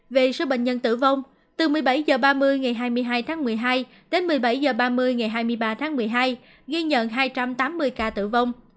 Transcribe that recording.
về số bệnh nhân tử vong từ một mươi bảy h ba mươi ngày hai mươi hai tháng một mươi hai đến một mươi bảy h ba mươi ngày hai mươi ba tháng một mươi hai ghi nhận hai trăm tám mươi ca tử vong